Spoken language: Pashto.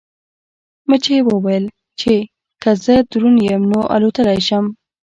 مچۍ وویل چې که زه دروند یم نو الوتلی شم.